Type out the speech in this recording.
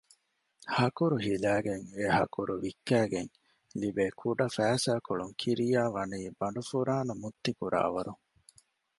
ހަކުރު ހިލައިގެން އެހަކުރު ވިއްކައިގެން ލިބޭ ކުޑަ ފައިސާކޮޅުން ކިރިޔާވަނީ ބަނޑުފުރާނަ މުއްތިކުރާވަރު